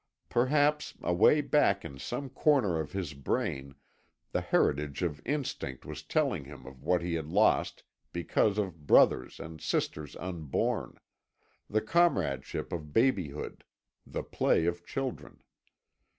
Perhaps away back in some corner of his brain the heritage of instinct was telling him of what he had lost because of brothers and sisters unborn the comradeship of babyhood, the play of children.